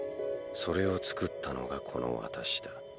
それを作ったのがこの私だ。